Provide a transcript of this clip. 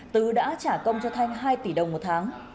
tứ đã trả công cho thanh hai tỷ đồng một tháng